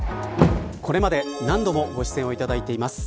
これまで何度もご出演いただいています。